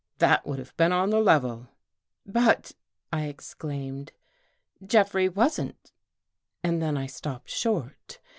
That would have been on the level." " But," I exclaimed, " Jeffrey wasn't ..." And then I stopped short.